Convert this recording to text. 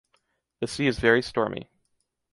The sea is very stormy.